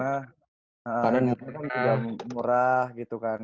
iya karena ini kan juga murah gitu kan